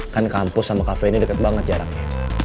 kan kampus sama cafe ini deket banget jaraknya